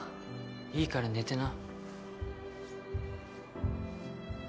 いいから寝てな。